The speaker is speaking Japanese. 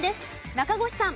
中越さん。